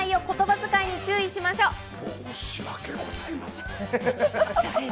申しわけございません。